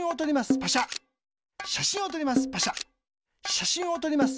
しゃしんをとります。